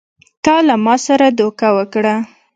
تا له ما سره دوکه وکړه!